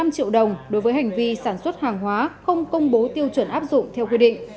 năm triệu đồng đối với hành vi sản xuất hàng hóa không công bố tiêu chuẩn áp dụng theo quy định